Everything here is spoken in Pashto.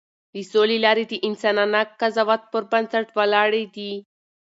د سولې لارې د انسانانه قضاوت پر بنسټ ولاړې دي.